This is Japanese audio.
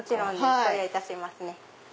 失礼いたします。